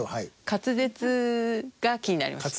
滑舌が気になりました。